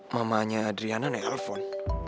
mamanya adriana nih telpon